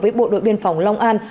với bộ đội biên phòng long an